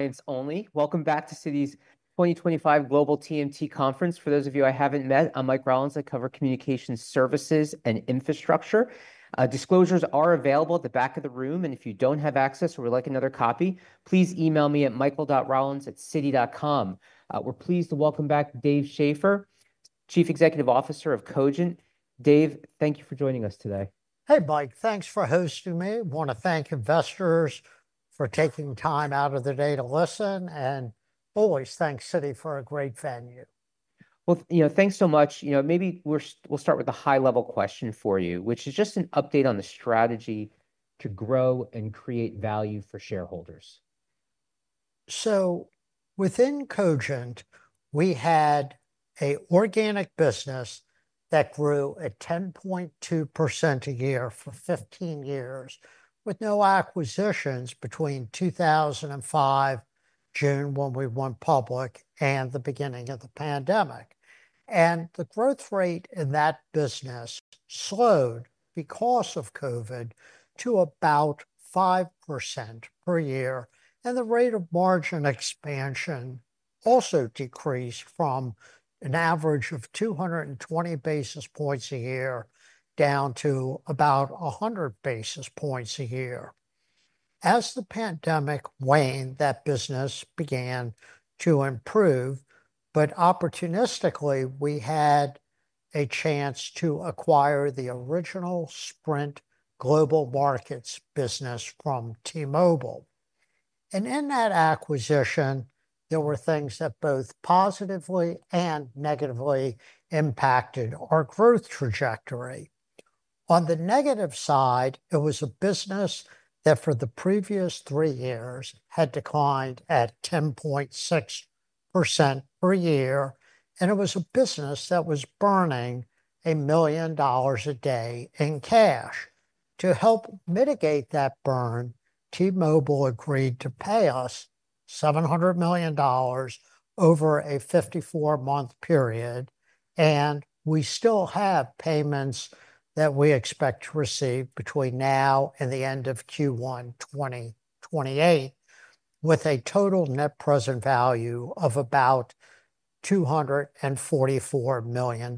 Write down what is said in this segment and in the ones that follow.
Clients only. Welcome back to Citi's 2025 Global TMT Conference. For those of you I haven't met, I'm Mike Rollins. I cover communication services and infrastructure. Disclosures are available at the back of the room, and if you don't have access or would like another copy, please email me at michael.rollins@citi.com. We're pleased to welcome back Dave Schaeffer, Chief Executive Officer of Cogent. Dave, thank you for joining us today. Hey, Mike. Thanks for hosting me. Wanna thank investors for taking time out of their day to listen, and always thanks Citi for a great venue. You know, thanks so much. You know, maybe we'll start with a high-level question for you, which is just an update on the strategy to grow and create value for shareholders. So within Cogent, we had an organic business that grew at 10.2% a year for 15 years, with no acquisitions between 2005 June, when we went public, and the beginning of the pandemic. And the growth rate in that business slowed because of COVID to about 5% per year, and the rate of margin expansion also decreased from an average of 220 basis points a year, down to about 100 basis points a year. As the pandemic waned, that business began to improve, but opportunistically, we had a chance to acquire the original Sprint Global Markets business from T-Mobile. And in that acquisition, there were things that both positively and negatively impacted our growth trajectory. On the negative side, it was a business that, for the previous three years, had declined at 10.6% per year, and it was a business that was burning $1 million a day in cash. To help mitigate that burn, T-Mobile agreed to pay us $700 million over a 54-month period, and we still have payments that we expect to receive between now and the end of Q1 2028, with a total net present value of about $244 million.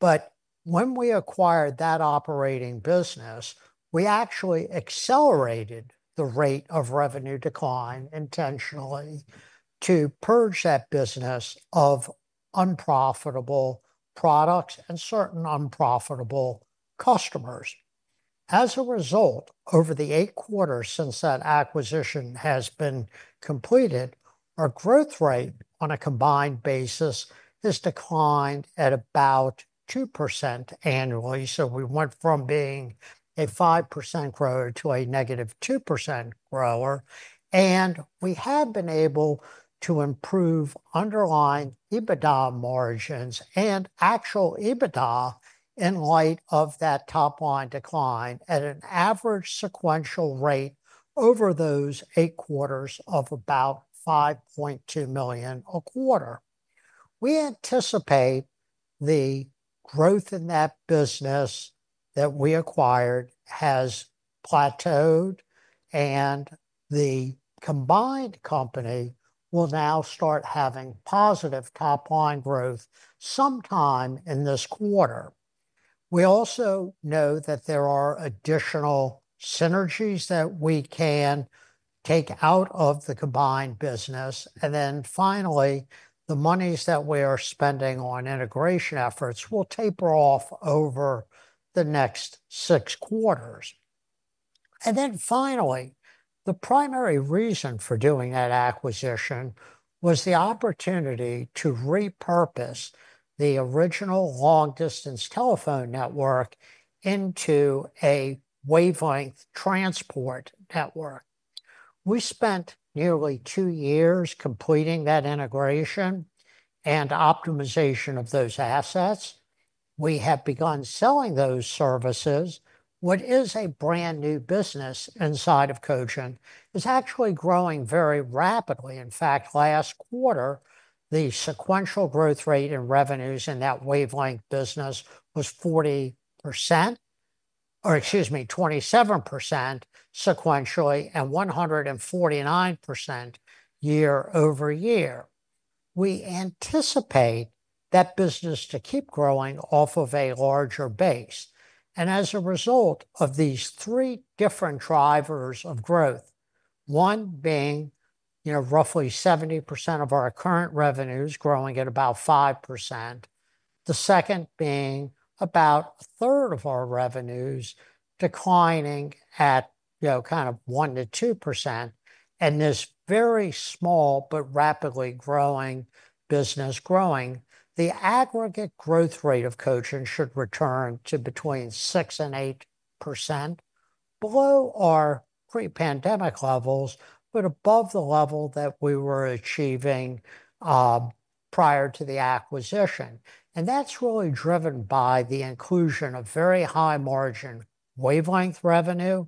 But when we acquired that operating business, we actually accelerated the rate of revenue decline intentionally to purge that business of unprofitable products and certain unprofitable customers. As a result, over the 8 quarters since that acquisition has been completed, our growth rate on a combined basis has declined at about 2% annually. So we went from being a 5% grower to a -2% grower, and we have been able to improve underlying EBITDA margins and actual EBITDA in light of that top-line decline at an average sequential rate over those eight quarters of about $5.2 million a quarter. We anticipate the growth in that business that we acquired has plateaued, and the combined company will now start having positive top-line growth sometime in this quarter. We also know that there are additional synergies that we can take out of the combined business, and then finally, the monies that we are spending on integration efforts will taper off over the next six quarters. And then finally, the primary reason for doing that acquisition was the opportunity to repurpose the original long-distance telephone network into a wavelength transport network. We spent nearly two years completing that integration and optimization of those assets. We have begun selling those services. What is a brand-new business inside of Cogent is actually growing very rapidly. In fact, last quarter, the sequential growth rate in revenues in that wavelength business was 40%, or excuse me, 27% sequentially, and 149% year-over-year. We anticipate that business to keep growing off of a larger base, and as a result of these three different drivers of growth, one being, you know, roughly 70% of our current revenues growing at about 5%, the second being about a third of our revenues declining at, you know, kind of 1%-2%, and this very small but rapidly growing business growing, the aggregate growth rate of Cogent should return to between 6% and 8%, below our pre-pandemic levels, but above the level that we were achieving, prior to the acquisition. And that's really driven by the inclusion of very high-margin wavelength revenue,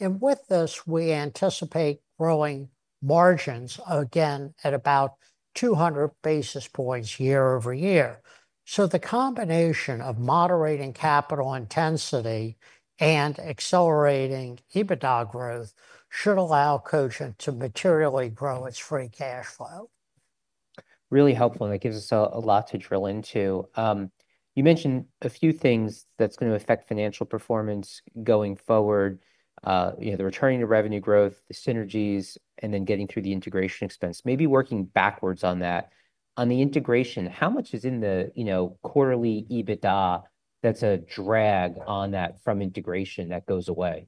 and with this, we anticipate growing margins again at about 200 basis points year-over-year. So the combination of moderating capital intensity and accelerating EBITDA growth should allow Cogent to materially grow its free cash flow. Really helpful, and it gives us a lot to drill into. You mentioned a few things that's gonna affect financial performance going forward, you know, the returning to revenue growth, the synergies, and then getting through the integration expense. Maybe working backwards on that, on the integration, how much is in the, you know, quarterly EBITDA that's a drag on that from integration that goes away?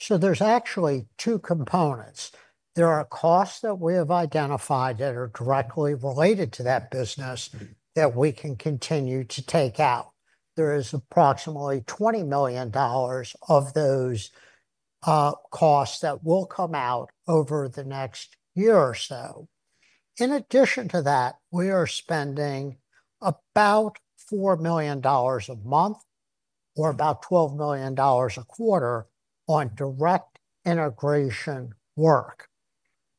So there's actually two components. There are costs that we have identified that are directly related to that business that we can continue to take out. There is approximately $20 million of those costs that will come out over the next year or so. In addition to that, we are spending about $4 million a month, or about $12 million a quarter, on direct integration work.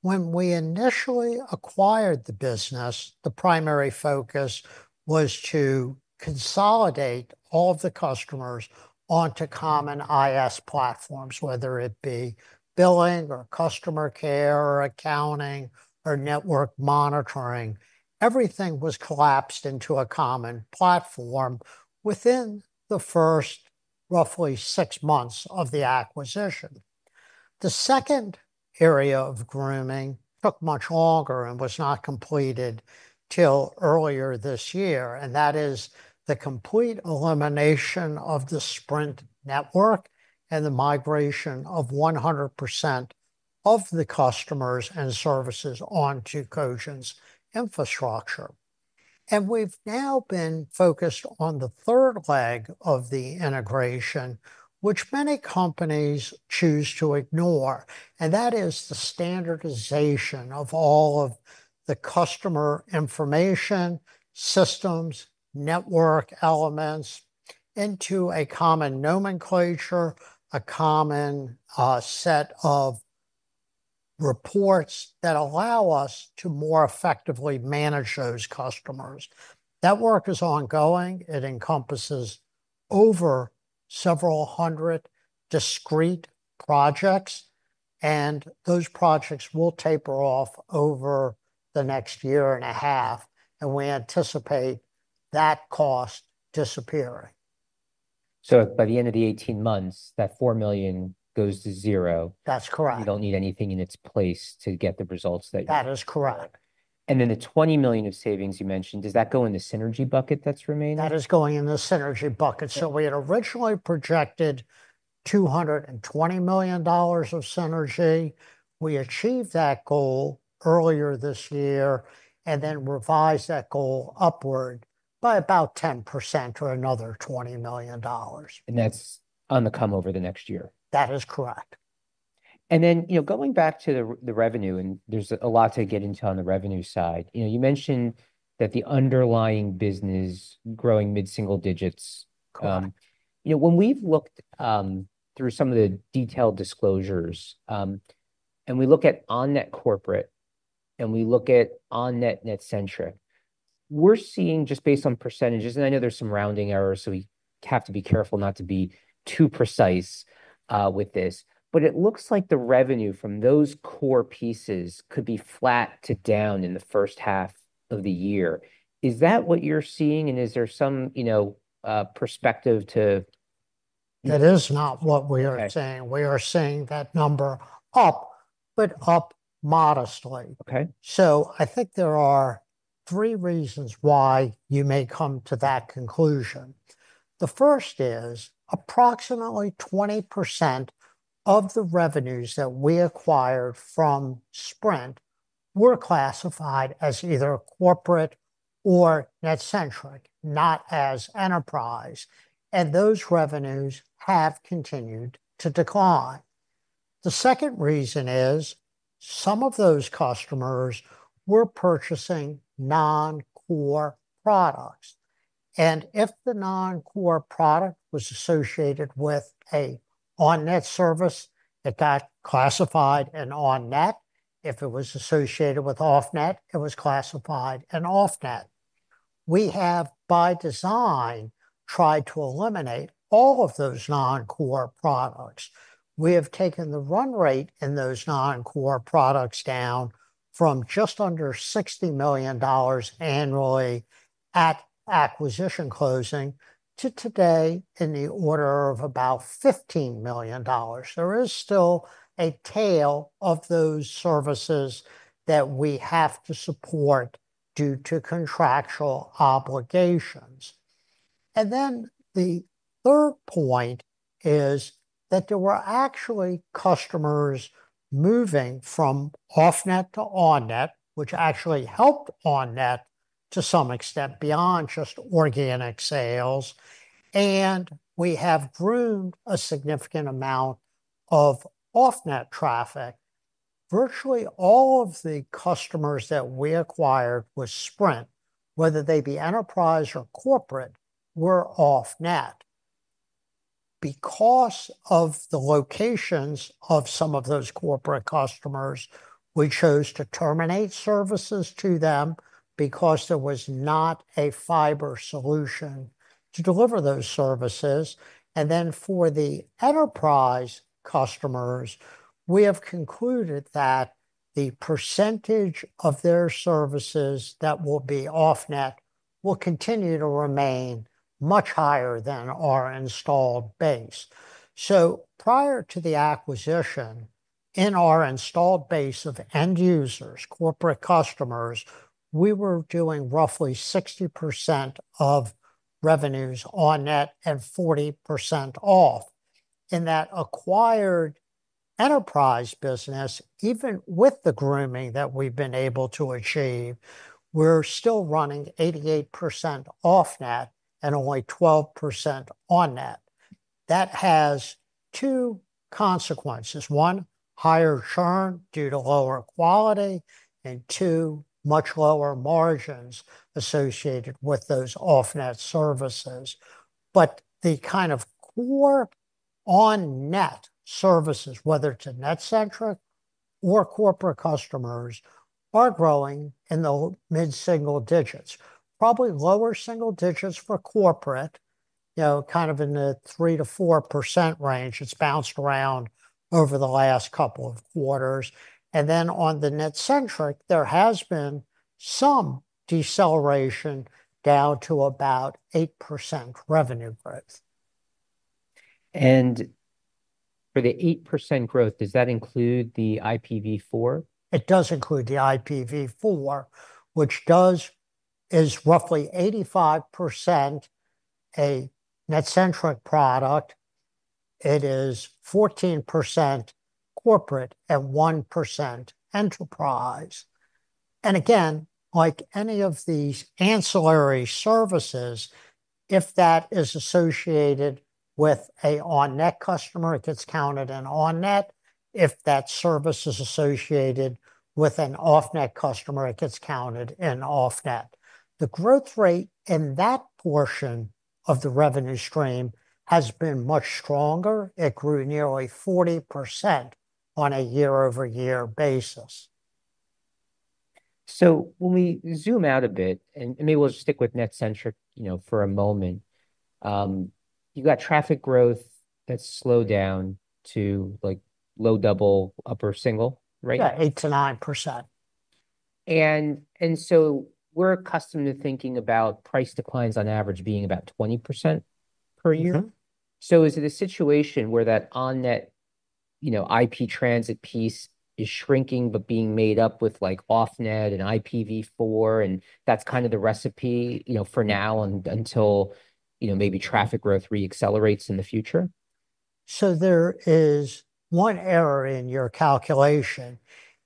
When we initially acquired the business, the primary focus was to consolidate all of the customers onto common IS platforms, whether it be billing or customer care or accounting or network monitoring. Everything was collapsed into a common platform within the first roughly six months of the acquisition. The second area of grooming took much longer and was not completed till earlier this year, and that is the complete elimination of the Sprint network and the migration of 100% of the customers and services onto Cogent's infrastructure. And we've now been focused on the third leg of the integration, which many companies choose to ignore, and that is the standardization of all of the customer information, systems, network elements into a common nomenclature, a common, set of reports that allow us to more effectively manage those customers. That work is ongoing. It encompasses over several hundred discrete projects, and those projects will taper off over the next year and a half, and we anticipate that cost disappearing. By the end of the eighteen months, that four million goes to zero? That's correct. You don't need anything in its place to get the results that- That is correct. The $20 million of savings you mentioned, does that go in the synergy bucket that's remaining? That is going in the synergy bucket. We had originally projected $220 million of synergy. We achieved that goal earlier this year, and then revised that goal upward by about 10% or another $20 million. That's income over the next year? That is correct. And then, you know, going back to the revenue, and there's a lot to get into on the revenue side. You know, you mentioned that the underlying business growing mid-single digits. You know, when we've looked through some of the detailed disclosures, and we look at on-net corporate, and we look at on-net NetCentric, we're seeing just based on percentages, and I know there's some rounding errors, so we have to be careful not to be too precise with this, but it looks like the revenue from those core pieces could be flat to down in the first half of the year. Is that what you're seeing, and is there some, you know, perspective to- That is not what we are saying. We are seeing that number up, but up modestly. Okay. So I think there are three reasons why you may come to that conclusion. The first is, approximately 20% of the revenues that we acquired from Sprint were classified as either corporate or NetCentric, not as enterprise, and those revenues have continued to decline. The second reason is, some of those customers were purchasing non-core products, and if the non-core product was associated with an on-net service, it got classified in on-net. If it was associated with off-net, it was classified in off-net. We have, by design, tried to eliminate all of those non-core products. We have taken the run rate in those non-core products down from just under $60 million annually at acquisition closing, to today in the order of about $15 million. There is still a tail of those services that we have to support due to contractual obligations. The third point is that there were actually customers moving from off-net to on-net, which actually helped on-net to some extent beyond just organic sales, and we have groomed a significant amount of off-net traffic. Virtually all of the customers that we acquired with Sprint, whether they be enterprise or corporate, were off-net. Because of the locations of some of those corporate customers, we chose to terminate services to them because there was not a fiber solution to deliver those services. For the enterprise customers, we have concluded that the percentage of their services that will be off-net will continue to remain much higher than our installed base. Prior to the acquisition, in our installed base of end users, corporate customers, we were doing roughly 60% of revenues on-net and 40% off-net. In that acquired enterprise business, even with the grooming that we've been able to achieve, we're still running 88% off-net and only 12% on-net. That has two consequences: one, higher churn due to lower quality, and two, much lower margins associated with those off-net services. But the kind of core on-net services, whether it's a NetCentric or corporate customers, are growing in the mid-single digits. Probably lower single digits for corporate, you know, kind of in the 3%-4% range. It's bounced around over the last couple of quarters, and then on the NetCentric, there has been some deceleration down to about 8% revenue growth. For the 8% growth, does that include the IPv4? It does include the IPv4, which is roughly 85% a NetCentric product, it is 14% corporate, and 1% enterprise. And again, like any of these ancillary services, if that is associated with a on-net customer, it gets counted in on-net. If that service is associated with an off-net customer, it gets counted in off-net. The growth rate in that portion of the revenue stream has been much stronger. It grew nearly 40% on a year-over-year basis. So when we zoom out a bit, and maybe we'll stick with NetCentric, you know, for a moment, you've got traffic growth that's slowed down to, like, low double, upper single, right? Yeah, 8%-9%. We're accustomed to thinking about price declines on average being about 20% per year. So is it a situation where that on-net, you know, IP transit piece is shrinking, but being made up with, like, off-net and IPv4, and that's kind of the recipe, you know, for now, and until, you know, maybe traffic growth re-accelerates in the future? There is one error in your calculation,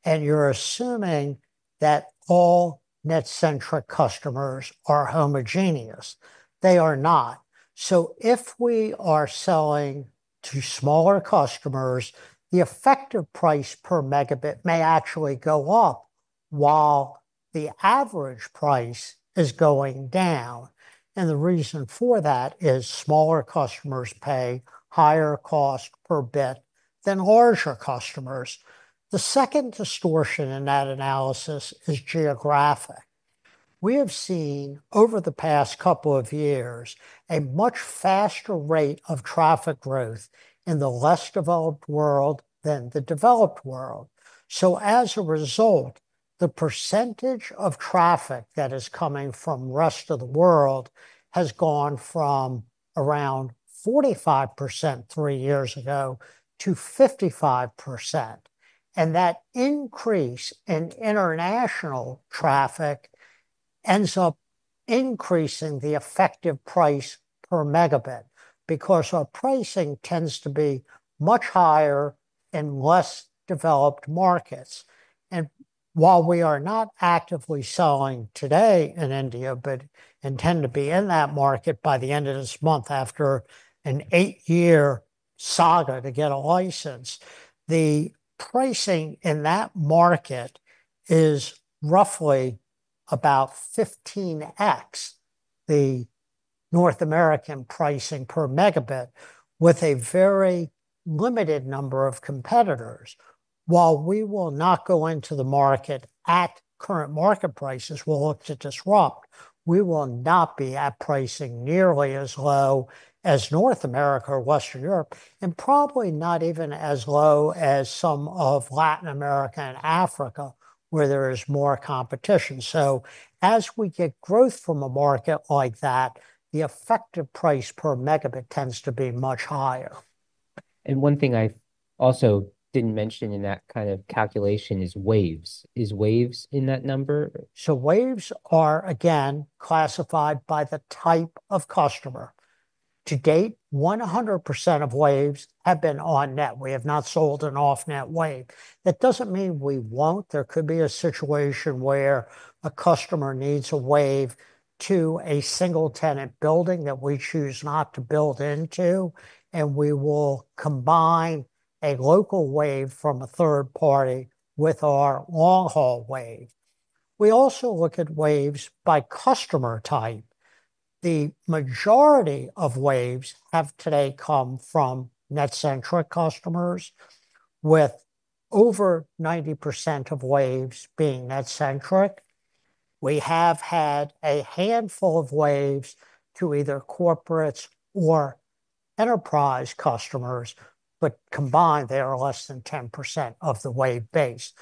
and you're assuming that all NetCentric customers are homogeneous. They are not. If we are selling to smaller customers, the effective price per megabit may actually go up, while the average price is going down, and the reason for that is smaller customers pay higher cost per bit than larger customers. The second distortion in that analysis is geographic. We have seen, over the past couple of years, a much faster rate of traffic growth in the less developed world than the developed world. As a result, the percentage of traffic that is coming from rest of the world has gone from around 45% three years ago to 55%, and that increase in international traffic ends up increasing the effective price per megabit, because our pricing tends to be much higher in less developed markets. While we are not actively selling today in India, but intend to be in that market by the end of this month, after an eight-year saga to get a license, the pricing in that market is roughly about fifteen x the North American pricing per megabit, with a very limited number of competitors. While we will not go into the market at current market prices, we'll look to disrupt. We will not be at pricing nearly as low as North America or Western Europe, and probably not even as low as some of Latin America and Africa, where there is more competition. As we get growth from a market like that, the effective price per megabit tends to be much higher. One thing I also didn't mention in that kind of calculation is waves. Is waves in that number? Waves are, again, classified by the type of customer. To date, 100% of waves have been on-net. We have not sold an off-net wave. That doesn't mean we won't. There could be a situation where a customer needs a wave to a single-tenant building that we choose not to build into, and we will combine a local wave from a third party with our long-haul wave. We also look at waves by customer type. The majority of waves have today come from NetCentric customers, with over 90% of waves being NetCentric. We have had a handful of waves to either corporates or enterprise customers, but combined they are less than 10% of the wave base.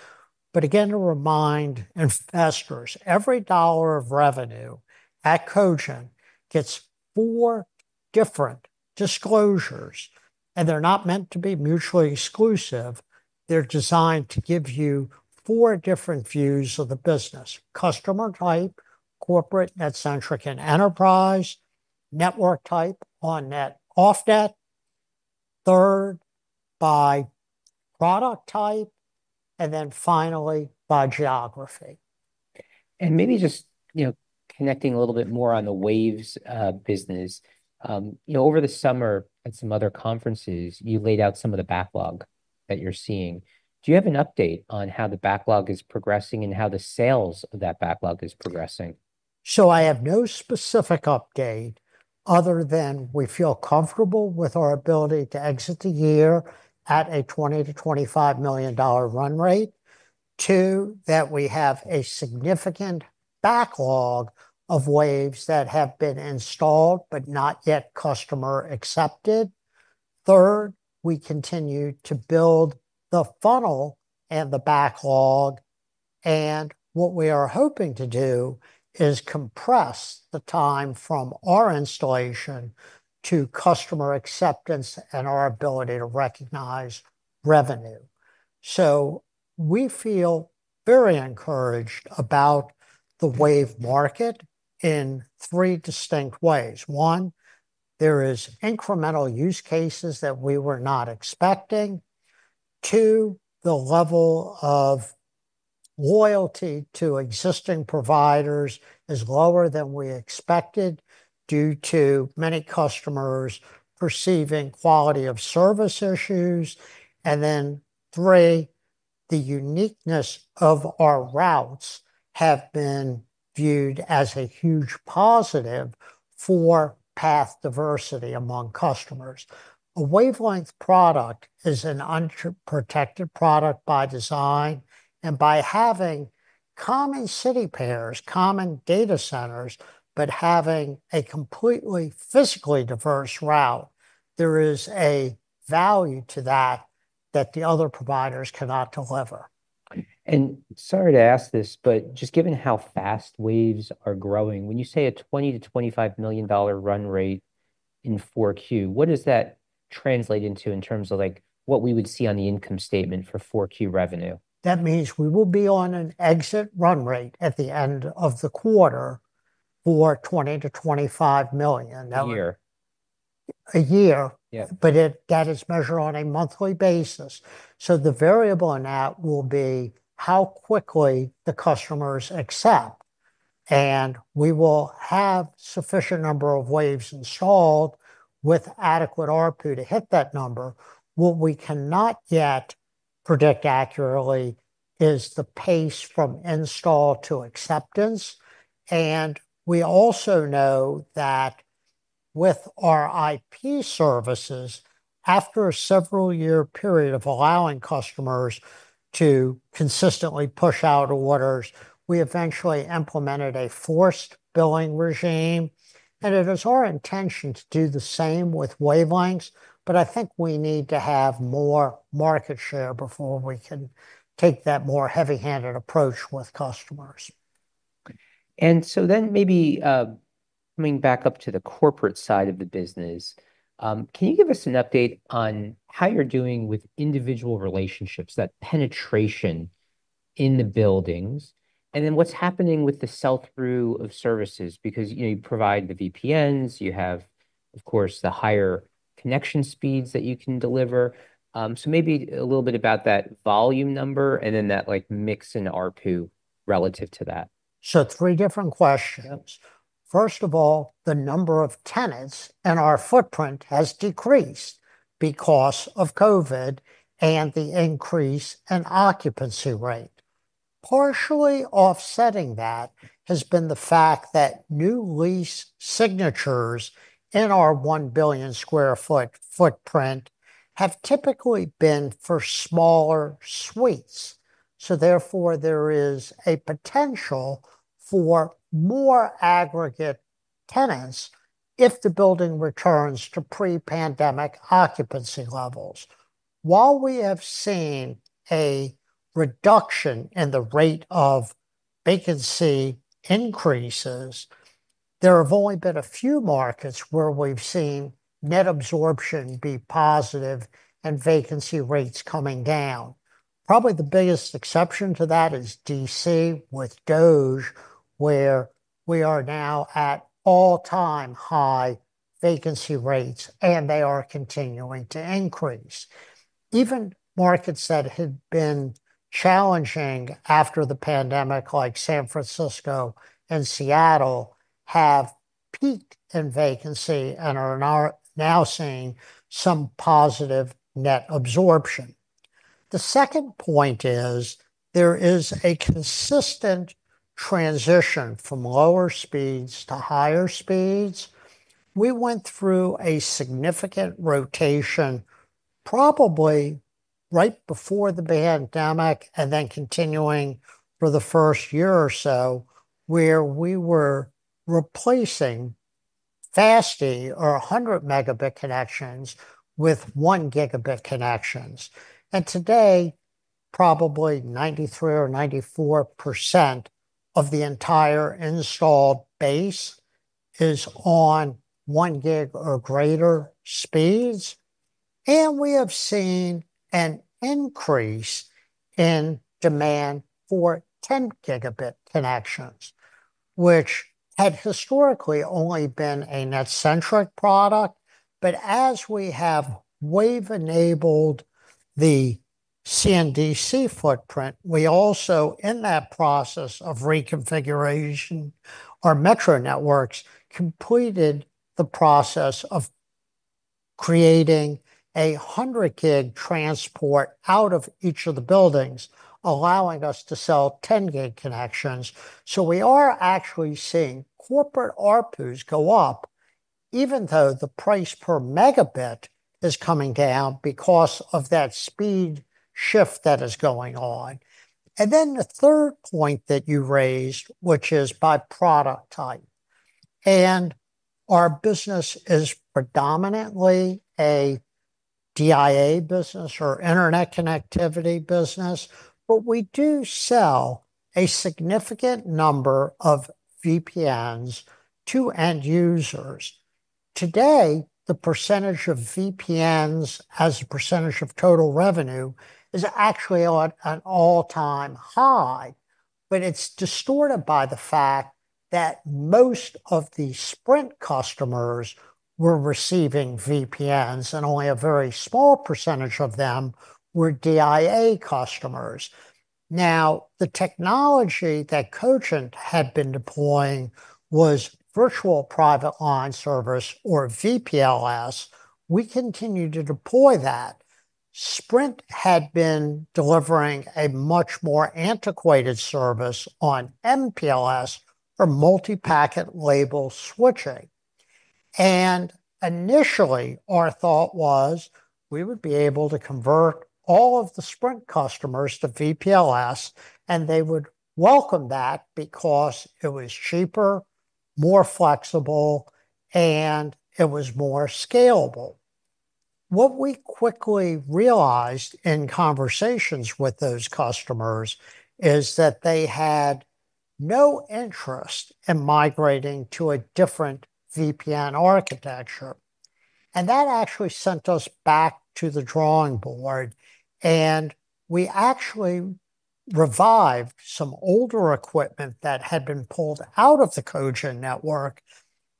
But again, to remind investors, every dollar of revenue at Cogent gets four different disclosures, and they're not meant to be mutually exclusive. They're designed to give you four different views of the business: customer type, corporate, NetCentric, and enterprise, network type, on-net, off-net, third, by product type, and then finally, by geography. And maybe just, you know, connecting a little bit more on the waves business, you know, over the summer at some other conferences, you laid out some of the backlog that you're seeing. Do you have an update on how the backlog is progressing and how the sales of that backlog is progressing? I have no specific update, other than we feel comfortable with our ability to exit the year at a $20 million-$25 million run rate. Two, that we have a significant backlog of waves that have been installed, but not yet customer accepted. Third, we continue to build the funnel and the backlog, and what we are hoping to do is compress the time from our installation to customer acceptance and our ability to recognize revenue. We feel very encouraged about the wave market in three distinct ways. One, there is incremental use cases that we were not expecting. Two, the level of loyalty to existing providers is lower than we expected, due to many customers perceiving quality of service issues. And then, three, the uniqueness of our routes have been viewed as a huge positive for path diversity among customers. A wavelength product is an unprotected product by design, and by having common city pairs, common data centers, but having a completely physically diverse route, there is a value to that, that the other providers cannot deliver. Sorry to ask this, but just given how fast waves are growing, when you say a $20 million-25 million run rate in 4Q, what does that translate into in terms of like what we would see on the income statement for 4Q revenue? That means we will be on an exit run rate at the end of the quarter for $20 million-25 million. A year. A year. Yeah. But that is measured on a monthly basis, so the variable in that will be how quickly the customers accept, and we will have sufficient number of waves installed with adequate ARPU to hit that number. What we cannot yet predict accurately is the pace from install to acceptance, and we also know that with our IP services, after a several-year period of allowing customers to consistently push out orders, we eventually implemented a forced billing regime, and it is our intention to do the same with wavelengths, but I think we need to have more market share before we can take that more heavy-handed approach with customers. And so then maybe, coming back up to the corporate side of the business, can you give us an update on how you're doing with individual relationships, that penetration in the buildings, and then what's happening with the sell-through of services? Because, you know, you provide the VPNs, you have, of course, the higher connection speeds that you can deliver. So maybe a little bit about that volume number, and then that, like, mix in ARPU relative to that. So three different questions. First of all, the number of tenants in our footprint has decreased because of COVID and the increase in occupancy rate. Partially offsetting that has been the fact that new lease signatures in our one billion sq ft footprint have typically been for smaller suites. So therefore, there is a potential for more aggregate tenants if the building returns to pre-pandemic occupancy levels. While we have seen a reduction in the rate of vacancy increases, there have only been a few markets where we've seen net absorption be positive and vacancy rates coming down. Probably the biggest exception to that is DC with DOGE, where we are now at all-time high vacancy rates, and they are continuing to increase. Even markets that had been challenging after the pandemic, like San Francisco and Seattle, have peaked in vacancy and are now seeing some positive net absorption. The second point is, there is a consistent transition from lower speeds to higher speeds. We went through a significant rotation, probably right before the pandemic, and then continuing for the first year or so, where we were replacing fifty or a hundred megabit connections with 1 Gb connections. And today, probably 93% or 94% of the entire installed base is on one gig or greater speeds, and we have seen an increase in demand for 10 Gb connections, which had historically only been a NetCentric product. But as we have wave-enabled the CNDC footprint, we also, in that process of reconfiguration, our metro networks completed the process of creating a 100-gig transport out of each of the buildings, allowing us to sell 10-gig connections. So we are actually seeing corporate ARPUs go up, even though the price per megabit is coming down because of that speed shift that is going on. And then the third point that you raised, which is by product type, and our business is predominantly a DIA business or internet connectivity business, but we do sell a significant number of VPNs to end users. Today, the percentage of VPNs as a percentage of total revenue is actually at an all-time high, but it's distorted by the fact that most of the Sprint customers were receiving VPNs, and only a very small percentage of them were DIA customers. Now, the technology that Cogent had been deploying was virtual private LAN service, or VPLS. We continued to deploy that. Sprint had been delivering a much more antiquated service on MPLS, or multi-protocol label switching. Initially, our thought was we would be able to convert all of the Sprint customers to VPLS, and they would welcome that because it was cheaper, more flexible, and it was more scalable. What we quickly realized in conversations with those customers is that they had no interest in migrating to a different VPN architecture, and that actually sent us back to the drawing board, and we actually revived some older equipment that had been pulled out of the Cogent network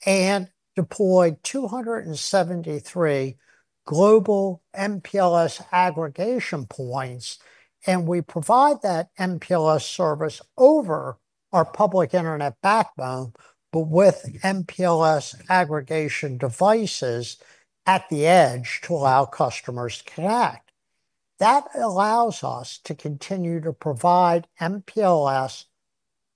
and deployed 273 global MPLS aggregation points, and we provide that MPLS service over our public internet backbone, but with MPLS aggregation devices at the edge to allow customers to connect. That allows us to continue to provide MPLS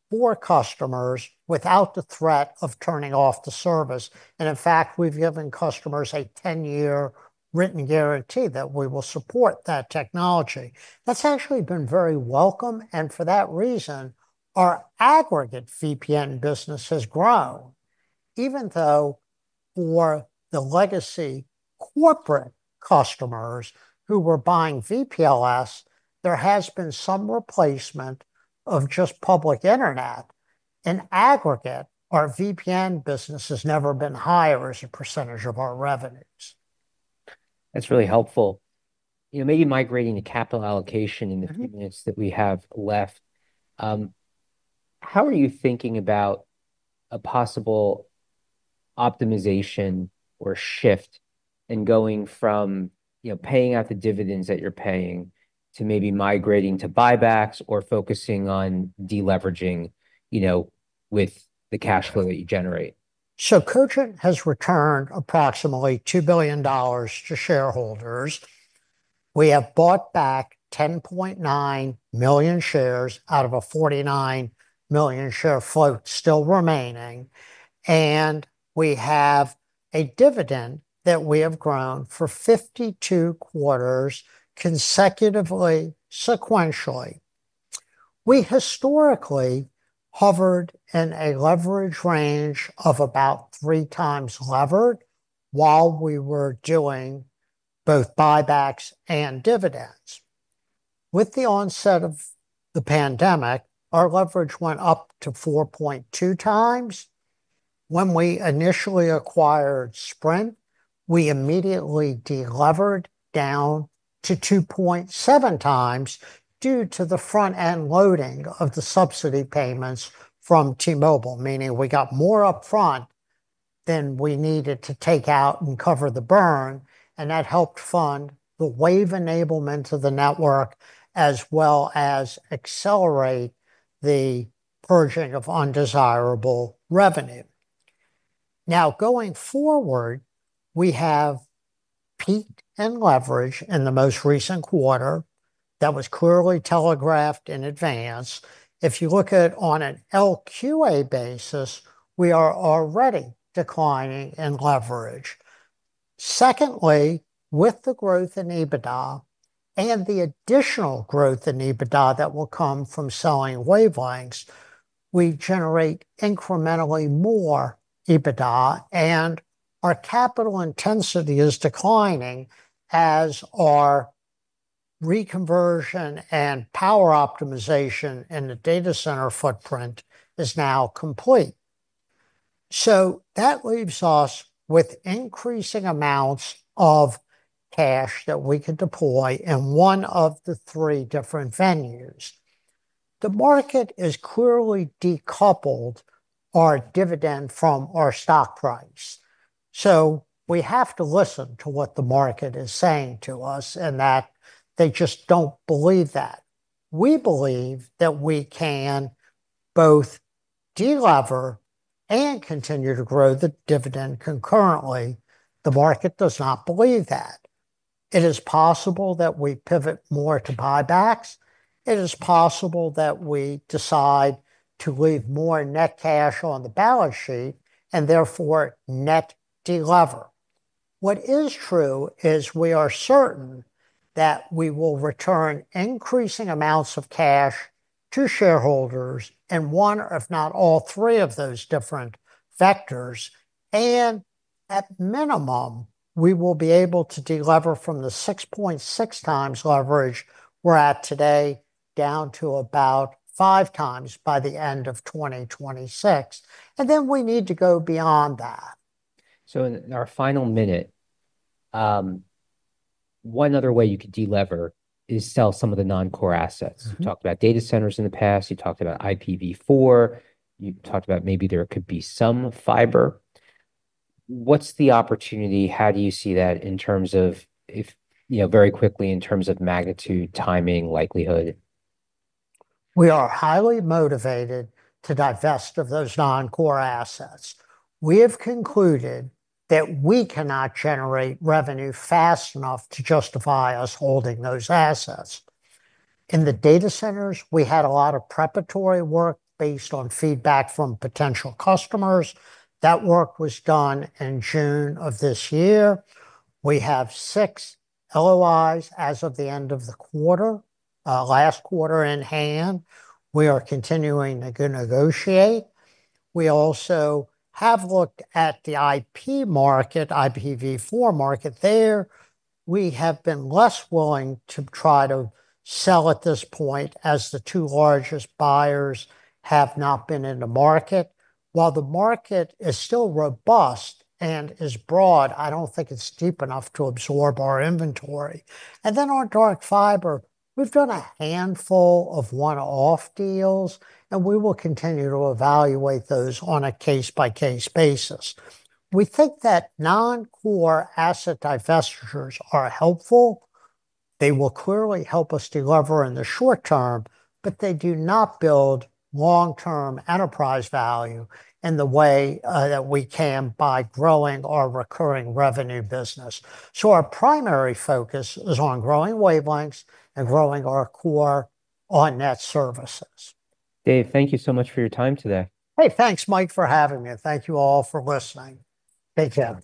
for customers without the threat of turning off the service, and in fact, we've given customers a ten-year written guarantee that we will support that technology. That's actually been very welcome, and for that reason, our aggregate VPN business has grown. Even though for the legacy corporate customers who were buying VPLS, there has been some replacement of just public internet. In aggregate, our VPN business has never been higher as a percentage of our revenues. That's really helpful. You know, maybe migrating to capital allocation in the few minutes that we have left, how are you thinking about a possible optimization or shift in going from, you know, paying out the dividends that you're paying to maybe migrating to buybacks or focusing on de-leveraging, you know, with the cash flow that you generate? So Cogent has returned approximately $2 billion to shareholders. We have bought back 10.9 million shares out of a 49 million share float still remaining, and we have a dividend that we have grown for 52 quarters consecutively, sequentially. We historically hovered in a leverage range of about three times levered, while we were doing both buybacks and dividends. With the onset of the pandemic, our leverage went up to 4.2x. When we initially acquired Sprint, we immediately de-levered down to 2.7x due to the front-end loading of the subsidy payments from T-Mobile, meaning we got more upfront than we needed to take out and cover the burn, and that helped fund the wave enablement of the network, as well as accelerate the purging of undesirable revenue. Now, going forward, we have peaked in leverage in the most recent quarter. That was clearly telegraphed in advance. If you look at on an LQA basis, we are already declining in leverage. Secondly, with the growth in EBITDA and the additional growth in EBITDA that will come from selling wavelengths, we generate incrementally more EBITDA, and our capital intensity is declining as our reconversion and power optimization in the data center footprint is now complete, so that leaves us with increasing amounts of cash that we could deploy in one of the three different venues. The market has clearly decoupled our dividend from our stock price, so we have to listen to what the market is saying to us, and that they just don't believe that. We believe that we can both delever and continue to grow the dividend concurrently. The market does not believe that. It is possible that we pivot more to buybacks. It is possible that we decide to leave more net cash on the balance sheet, and therefore net delever. What is true is we are certain that we will return increasing amounts of cash to shareholders, and one, if not all three of those different factors, and at minimum, we will be able to delever from the 6.6x leverage we're at today, down to about five times by the end of 2026, and then we need to go beyond that. So in our final minute, one other way you could delever is sell some of the non-core assets. You talked about data centers in the past, you talked about IPv4, you talked about maybe there could be some fiber. What's the opportunity? How do you see that in terms of if... you know, very quickly, in terms of magnitude, timing, likelihood? We are highly motivated to divest of those non-core assets. We have concluded that we cannot generate revenue fast enough to justify us holding those assets. In the data centers, we had a lot of preparatory work based on feedback from potential customers. That work was done in June of this year. We have six LOIs as of the end of the quarter, last quarter in hand. We are continuing to negotiate. We also have looked at the IP market, IPv4 market there. We have been less willing to try to sell at this point, as the two largest buyers have not been in the market. While the market is still robust and is broad, I don't think it's deep enough to absorb our inventory. And then on dark fiber, we've done a handful of one-off deals, and we will continue to evaluate those on a case-by-case basis. We think that non-core asset divestitures are helpful. They will clearly help us delever in the short term, but they do not build long-term enterprise value in the way that we can by growing our recurring revenue business. So our primary focus is on growing wavelengths and growing our core on-net services. Dave, thank you so much for your time today. Hey, thanks, Mike, for having me, and thank you all for listening. Take care.